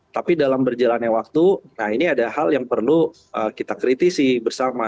tapi dalam berjalannya waktu nah ini ada hal yang perlu kita kritisi bersama